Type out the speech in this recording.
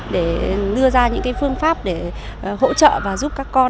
để đưa ra những phương pháp để hỗ trợ và giúp các con